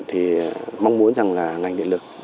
thì mong muốn rằng là ngành điện lực